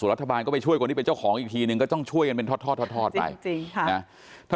รัฐบาลก็ไปช่วยคนที่เป็นเจ้าของอีกทีนึงก็ต้องช่วยกันเป็นทอดทอดไปจริงค่ะนะ